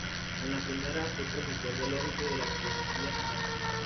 En la primera fue profesor de Lógica y de Filosofía Moral.